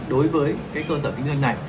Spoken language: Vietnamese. đối với cơ sở kinh doanh này